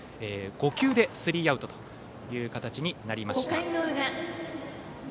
５球でスリーアウトとなりました。